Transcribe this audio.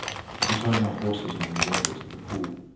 We tied our horses among the redwoods at the pool.